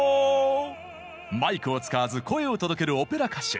マイクを使わず声を届けるオペラ歌手。